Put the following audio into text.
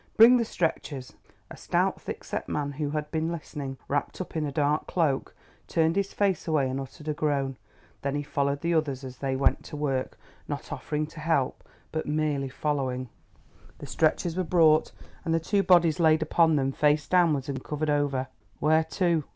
"Bring the stretchers." A stout thick set man, who had been listening, wrapped up in a dark cloak, turned his face away and uttered a groan. Then he followed the others as they went to work, not offering to help, but merely following. The stretchers were brought and the two bodies laid upon them, face downwards and covered over. "Where to?"